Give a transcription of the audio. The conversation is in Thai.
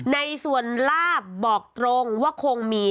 ในส่วนลาบบอกตรงว่าคงมี